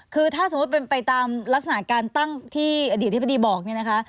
คือถ้าสมมุติเป็นไปตามลักษณะการตั้งที่อดีตอธิบดีบอกเนี่ยนะคะ